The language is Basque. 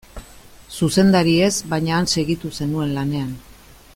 Zuzendari ez, baina han segitu zenuen lanean.